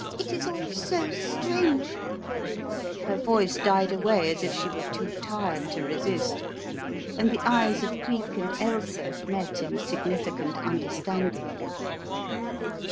It is all so strange " Her voice died away as if she were too tired to resist, and the eyes of Geek and Ailsa met in significant under standing.